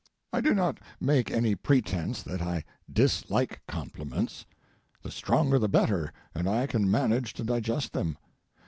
I do not make any pretence that I dislike compliments. The stronger the better, and I can manage to digest them.